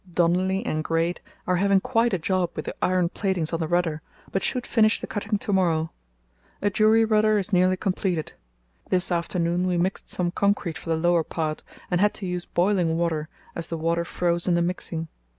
Donolly and Grade are having quite a job with the iron platings on the rudder, but should finish the cutting to morrow. A jury rudder is nearly completed. This afternoon we mixed some concrete for the lower part, and had to use boiling water, as the water froze in the mixing.